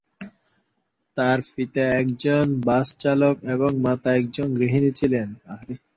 তার পিতা একজন বাস চালক এবং মাতা একজন গৃহিণী ছিলেন।